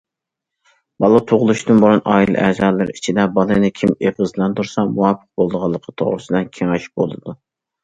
بالا تۇغۇلۇشتىن بۇرۇن ئائىلە ئەزالىرى ئىچىدە بالىنى كىم ئېغىزلاندۇرسا مۇۋاپىق بولىدىغانلىقى توغرىسىدا كېڭەش بولىدۇ.